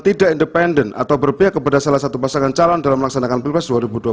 tidak independen atau berpihak kepada salah satu pasangan calon dalam melaksanakan pilpres dua ribu dua puluh